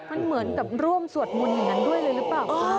มันเหมือนกับร่วมสวดมนต์อย่างนั้นด้วยเลยหรือเปล่า